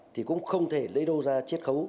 thì cũng không thể lấy đâu ra chết khấu